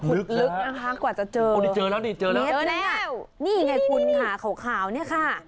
ขุดลึกนะคะกว่าจะเจอเจอแล้วนะครับนี่ไงคุณค่ะเขาข่าวนี่ค่ะ